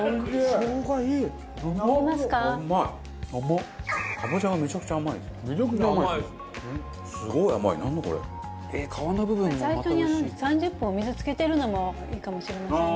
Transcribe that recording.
最初に３０分お水漬けてるのもいいかもしれませんね。